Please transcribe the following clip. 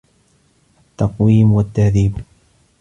التَّقْوِيمِ وَالتَّهْذِيبِ